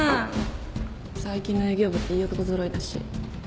最近の営業部っていい男揃いだし。